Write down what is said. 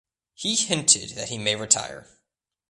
He hinted that he may retire.